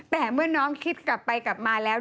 แต่เมื่อน้องคิดกลับไปกลับมาแล้ว